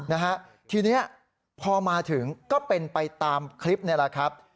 นะฮะทีนี้พอมาถึงก็เป็นไปตามคลิปนี่แหละครับ